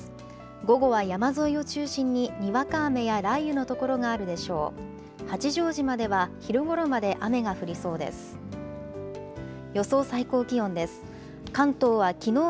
午後は山沿いを中心ににわか雨や雷雨の所があるでしょう。